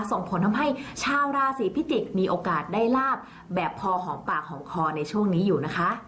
ส่งผลทำให้ชาวราศีพิจิกษ์มีโอกาสได้ลาบแบบพอหอมปากหอมคอในช่วงนี้อยู่นะคะ